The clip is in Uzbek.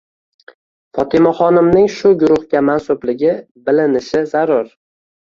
Fotimaxonimning shu guruhga mansubligi bnlinishi zarur.